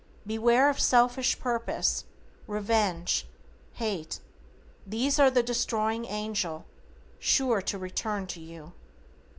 Beware of selfish purpose, revenge, hate; these are the Destroying Angel, sure to return to you.